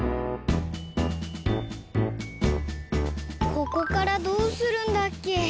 ここからどうするんだっけ？